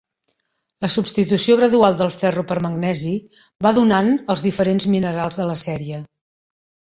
La substitució gradual del ferro per magnesi va donant els diferents minerals de la sèrie.